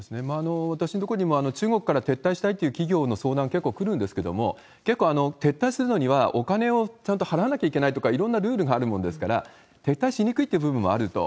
私のところにも中国から撤退したいという企業の相談、結構来るんですけれども、結構、撤退するにはお金をちゃんと払わなきゃいけないとか、いろんなルールがあるもんですから、撤退しにくいという部分もあると。